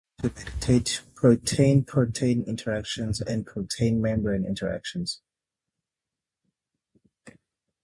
It is an important process to mediate protein-protein interactions and protein-membrane interactions.